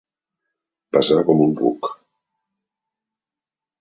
Pesar com un ruc.